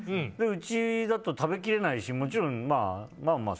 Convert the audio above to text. うちだったら食べきれないしもちろんまあまあ